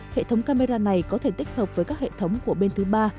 hệ thống camera này có thể tích hợp với các hệ thống của bên thứ ba